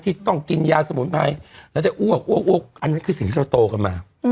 ที่ต้องกินยาสมุนไพรแล้วจะอ้วกอ้วกอันนั้นคือสิ่งที่เราโตกันมา